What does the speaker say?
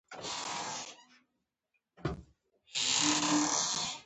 آیا بیکاري یوه لویه ننګونه نه ده؟